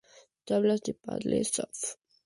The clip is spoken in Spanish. Tablas de paddle surf